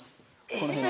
この辺で。